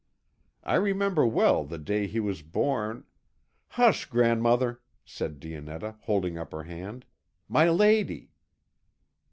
I remember well the day he was born " "Hush, grandmother," said Dionetta, holding up her hand. "My lady."